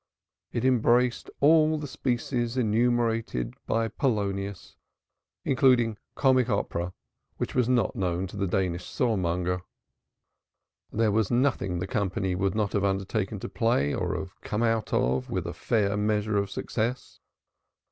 It embraced all the species enumerated by Polonius, including comic opera, which was not known to the Danish saw monger. There was nothing the company would not have undertaken to play or have come out of with a fair measure of success.